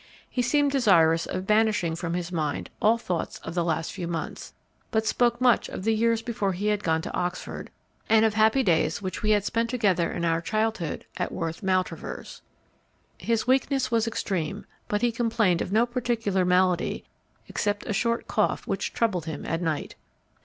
He seemed desirous of banishing from his mind all thoughts of the last few months, but spoke much of the years before he had gone to Oxford, and of happy days which we had spent together in our childhood at Worth Maltravers. His weakness was extreme, but he complained of no particular malady except a short cough which troubled him at night.